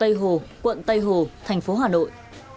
tây hồ quận tây hồ thành phố hà nội